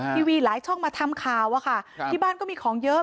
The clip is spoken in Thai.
ทีวีหลายช่องมาทำข่าวอะค่ะที่บ้านก็มีของเยอะ